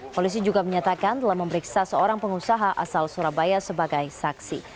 polisi juga menyatakan telah memeriksa seorang pengusaha asal surabaya sebagai saksi